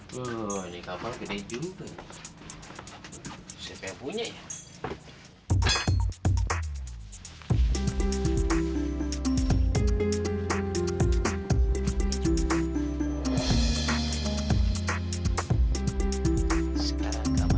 wah ini kamar besar juga